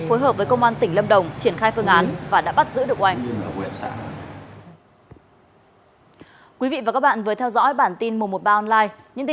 phối hợp với công an tỉnh lâm đồng triển khai phương án và đã bắt giữ được anh